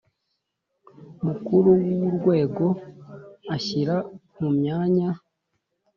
Mukuru w urwego ashyira mu myanya